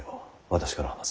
私から話す。